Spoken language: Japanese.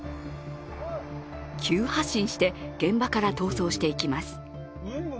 急発進して現場から逃走していきます。